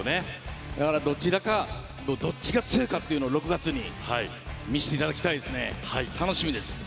だから、どっちが強いかを６月に見せていただきたいですね。